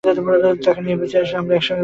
টাকা নিচে নিয়ে এসো, আমরা একসঙ্গে গোসল করবো।